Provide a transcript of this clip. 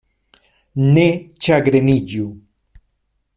Ne ĉagreniĝu.